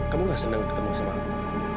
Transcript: kamu gak senang ketemu sama aku